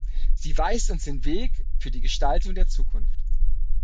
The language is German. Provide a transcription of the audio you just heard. Sie weist uns den Weg für die Gestaltung der Zukunft.